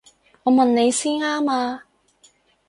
我問你先啱啊！